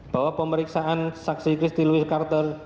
bahwa pemeriksaan saksi christi louis carter